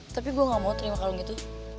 tapi gua gak mau terima kalung itu